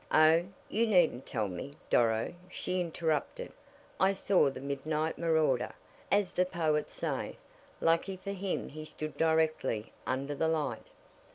"Oh, you needn't tell me, Doro," she interrupted. "I saw the midnight marauder, as the poets say. Lucky for him he stood directly under the light."